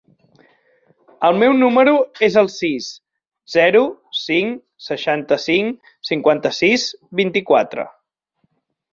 El meu número es el sis, zero, cinc, seixanta-cinc, cinquanta-sis, vint-i-quatre.